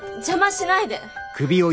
邪魔しないで。